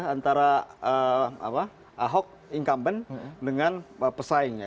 antara ahok incumbent dengan pesaingnya